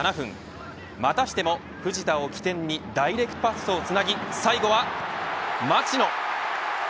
またしても藤田を起点にダイレクトパスをつなぎ最後は町野。